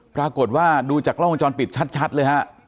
ปรากฏว่าดูจากกล้องวงจรปิดชัดเลยฮะ